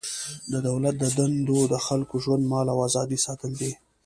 د دولت دنده د خلکو ژوند، مال او ازادي ساتل دي.